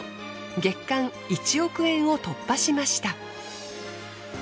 月間１億円を突破しました。